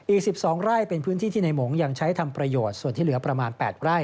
อีก๑๒ไร่เป็นพื้นที่ที่ในหมงยังใช้ทำประโยชน์ส่วนที่เหลือประมาณ๘ไร่